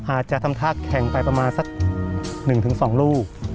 อาจจะทำท่าแข่งไปประมาณสัก๑๒ลูก